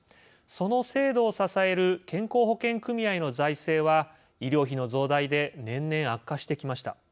その制度を支える健康保険組合の財政は医療費の増大で年々悪化してきました。